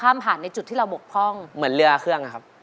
มีข้อมูลบีคือ